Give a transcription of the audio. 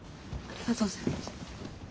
ありがとうございます。